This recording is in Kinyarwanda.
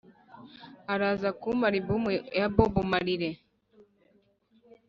Araza kuma album ya bob marley